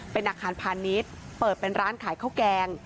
เป็นอาคารพาณิชย์เปิดเป็นร้านขายข้าวแกง